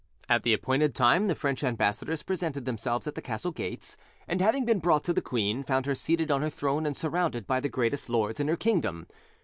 At the appointed time the French ambassadors presented themselves at the castle gates, and, having been brought to the queen, found her seated on her throne and surrounded by the greatest lords in her kingdom.